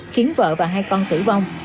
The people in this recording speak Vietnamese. khiến vợ và hai con tử vong